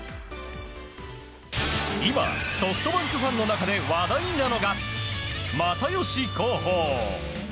今、ソフトバンクファンの中で話題なのが又吉広報。